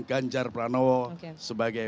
ganjar pranowo sebagai